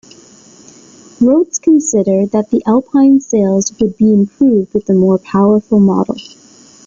Rootes considered that the Alpine's sales would be improved with a more powerful model.